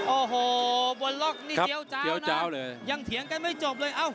โอ้โหบนล็อกนี่เจี๊ยเจ้านะยังเถียงกันไม่จบเลย